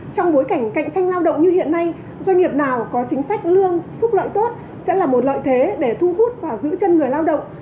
trong bối cảnh cạnh tranh lao động như hiện nay doanh nghiệp nào có chính sách lương phúc lợi tốt sẽ là một lợi thế để thu hút và giữ chân người lao động